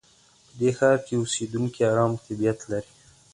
په دې ښار کې اوسېدونکي ارام طبیعت لري.